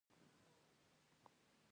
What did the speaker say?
که زړه ډاډه وي، نو ګام به ټینګ وي.